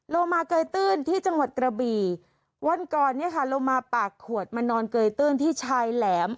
โลมาเกยตื้นที่จังหวัดกระบี่วันก่อนเนี่ยค่ะโลมาปากขวดมานอนเกยตื้นที่ชายแหลม